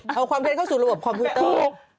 เอาความเท็จเข้าสู่ระบบคอมพิวเตอร์